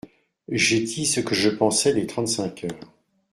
J’ai dit ce que je pensais des trente-cinq heures.